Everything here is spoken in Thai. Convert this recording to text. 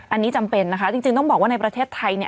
อันนี้จำเป็นนะคะจริงต้องบอกว่าในประเทศไทยเนี่ย